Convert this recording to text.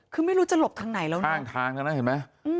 ข้างทางแล้วนะ